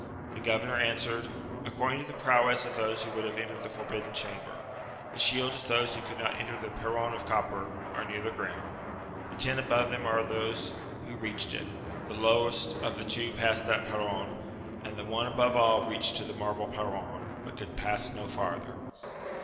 The governor answered, according to the prowess of those who would have entered the forbidden chamber; the shields of those who could not enter the perron of copper, are near the ground ; the ten above them are of those who reached it ; the lowest of the two passed that perron, and the one above all reached to the marble perron, but could pass no farther.